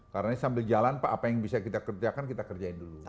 karena sambil jalan pak apa yang bisa kita kerjakan kita kerjain dulu